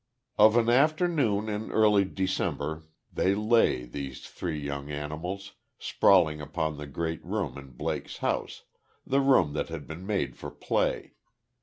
Of an afternoon, in early December, they lay, these three young animals, sprawling upon the great room in Blake's house the room that had been made for play.